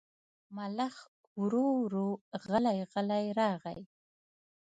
ملخ ورو ورو غلی غلی راغی.